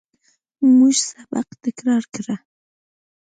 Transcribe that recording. موږ سبق تکرار کړ.